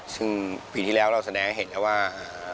ซึ่งปีที่แล้วเราแสดงให้เห็นแล้วว่า